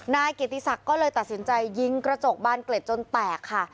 นายเกียรติศักดิ์ก็เลยตัดสินใจยิงกระจกบานเกล็ดจนแตกค่ะ